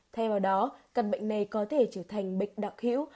thay vào đó căn bệnh này có thể trở thành bệnh đặc hữu